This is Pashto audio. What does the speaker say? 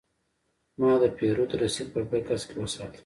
ما د پیرود رسید په بکس کې وساته.